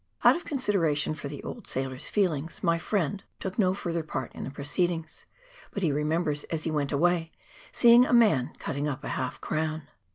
Out of consideration for the old sailor's feelings, my friend took no further part in the proceedings, but he remembers, as he went away, seeing a man cutting up a half a crown.